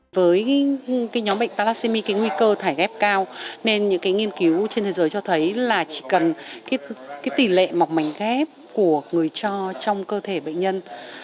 với nhóm bệnh palacemi nguy cơ thải ghép cao nên những nghiên cứu trên thế giới cho thấy là chỉ cần tỷ lệ mọc mảnh ghép của người cho trong cơ thể bệnh nhân